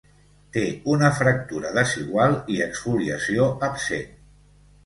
Té una fractura desigual i exfoliació absent.